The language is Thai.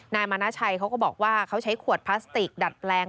นายมณชัยเขาก็บอกว่าเขาใช้ขวดพลาสติกดัดแปลง